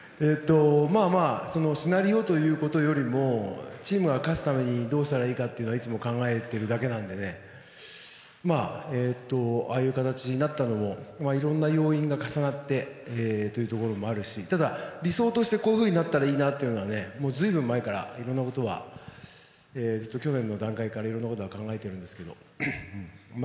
シナリオということよりもチームが勝つためにどうしたらいいかをいつも考えているだけなのでああいう形になったのもいろんな要因が重なってというところもあるしただ、理想としてこういうふうになったらいいなと随分前から去年の段階からいろいろ考えているんですけど。